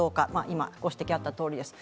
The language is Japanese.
今、ご指摘があったとおりです。